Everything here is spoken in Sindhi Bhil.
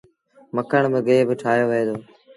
مکڻ مآݩ گيه با ٺآهيو وهي دو۔